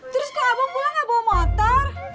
terus ke abang pulang gak bawa motor